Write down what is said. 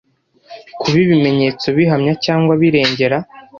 kuba ibimenyetso bihamya cyangwa birengera